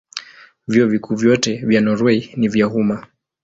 Vyuo Vikuu vyote vya Norwei ni vya umma.